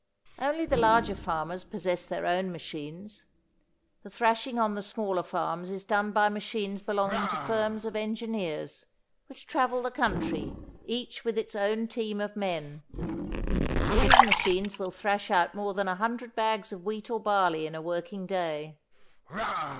Only the larger farmers possess their own machines. The thrashing on the smaller farms is done by machines belonging to firms of engineers, which travel the country, each with its own team of men. These machines will thrash out more than 100 bags of wheat or barley in a working day.